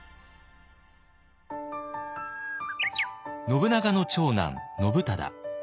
信長の長男信忠。